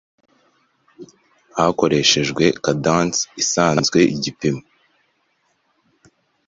hakoreshejwe cadence isanzweigipimo